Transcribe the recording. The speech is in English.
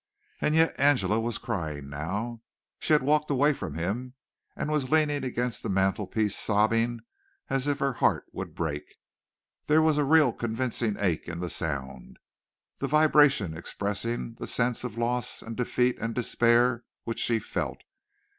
And yet Angela was crying now. She had walked away from him and was leaning against the mantel piece sobbing as if her heart would break. There was a real convincing ache in the sound the vibration expressing the sense of loss and defeat and despair which she felt.